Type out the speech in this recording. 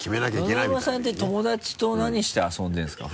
野々山さんって友達と何して遊んでるんですか？